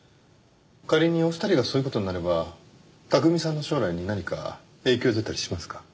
仮にお二人がそういう事になれば巧さんの将来に何か影響出たりしますか？